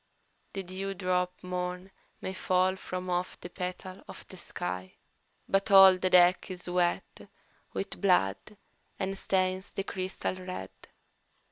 "The dewdrop morn may fall from off the petal of the sky, But all the deck is wet with blood and stains the crystal red.